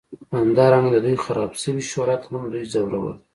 همدارنګه د دوی خراب شوي شهرت هم دوی ځورول